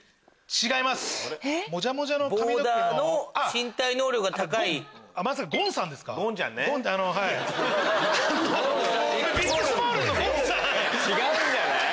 違うんじゃない？